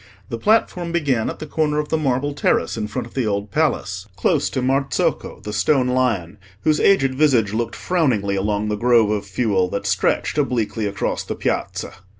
The platform began at the corner of the marble terrace in front of the Old Palace, close to Marzocco, the stone lion, whose aged visage looked frowningly along the grove of fuel that stretched obliquely across the Piazza.